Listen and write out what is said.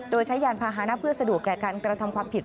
โดยใช้ยานพาหนะเพื่อสะดวกแก่การกระทำความผิด